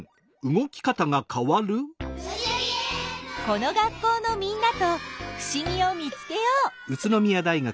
この学校のみんなとふしぎを見つけよう。